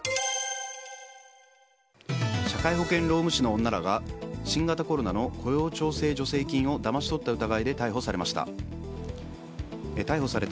社会保険労務士の女らが新型コロナの雇用調整助成金をだまし取った疑いで逮捕されました。